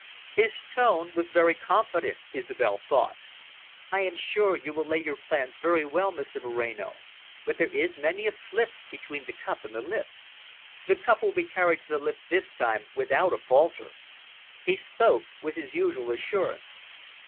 His tone was very confident, Isobel thought. "I am sure you will lay your plans very well, Mr Moreno, but there is many a slip between the cup and the lip." "The cup will be carried to the lip this time without a falter." He spoke with his usual assurance.